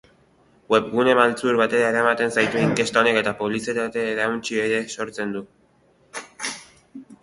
Webgune maltzur batera eramaten zaitu inkesta honek eta publizitate-erauntsi ere sortzen du.